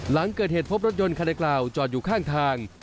หลังเกิดเหตุพบรถยนต์คันดังกล่าวจอดอยู่ข้างทาง